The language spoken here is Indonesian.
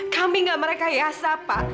kami tidak merekayasa pak